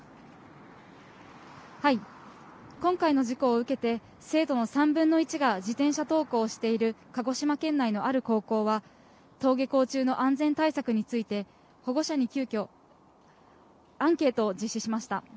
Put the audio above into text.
今回の事故を受けて、生徒の３分の１が自転車登校をしている鹿児島県内のある高校は、登下校中の安全対策について、保護者に急きょ、アンケートを実施しました。